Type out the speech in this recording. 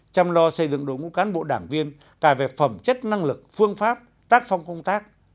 chăm lo xây dựng đội ngũ cán bộ đảng viên cả về phẩm chất năng lực phương pháp tác phong công tác